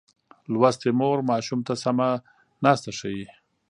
لوستې مور ماشوم ته سمه ناسته ښيي.